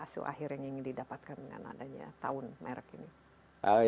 hasil akhir yang ingin didapatkan dengan adanya tahun merek ini